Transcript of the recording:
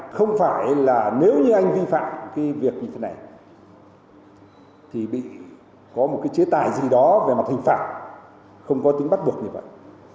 không phải là nếu như anh vi phạm cái việc như thế này thì bị có một cái chế tài gì đó về mặt hình phạm không có tính bắt buộc như vậy